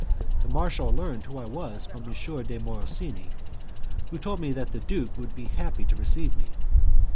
The marshal learned who I was from M. de Morosini, who told me that the duke would be happy to receive me.